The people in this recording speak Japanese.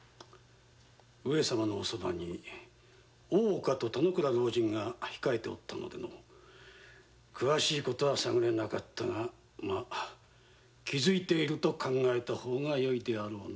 上様のおそばに大岡と田之倉老人が控えておったのでのう詳しい事は探れなかったが気づいていると思った方がよいな。